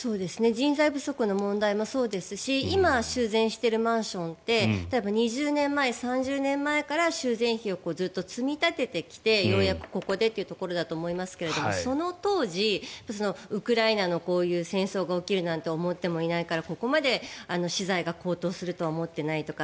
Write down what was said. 人材不足の問題もそうですし今、修繕してるマンションって２０年前、３０年前から修繕費をずっと積み立ててきてようやくここでというところだと思いますがその当時、ウクライナのこういう戦争が起きるなんて思ってもいないからここまで資材が高騰するとは思っていないとか